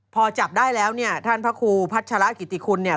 พอจับได้แล้วเนี่ยท่านพระครูพัชระกิติคุณเนี่ย